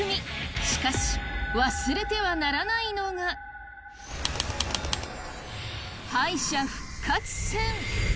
しかし、忘れてはならないのが敗者復活戦！